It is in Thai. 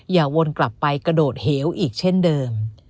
วนกลับไปกระโดดเหวอีกเช่นเดิม